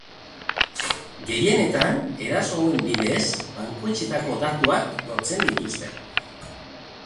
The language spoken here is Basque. Gehienetan eraso hauen bidez bankuetxetako datuak lortzen dituzte.